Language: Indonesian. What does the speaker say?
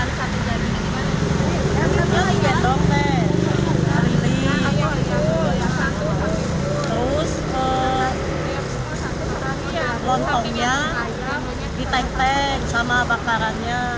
terus ke lontongnya ditenteng sama bakarannya